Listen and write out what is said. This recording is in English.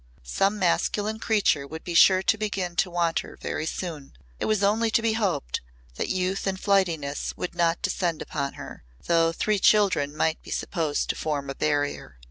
Some masculine creature would be sure to begin to want her very soon. It was only to be hoped that youth and flightiness would not descend upon her though three children might be supposed to form a barrier.